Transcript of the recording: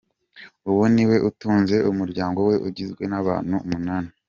Ubu ni we utunze umuryango we ugizwe n’abantu umunani.